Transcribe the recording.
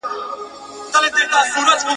چي پښتانه په جبر نه، خو په رضا سمېږي `